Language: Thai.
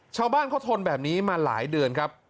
ชาวบ้านเขาทนแบบนี้มาหลายเดือนครับ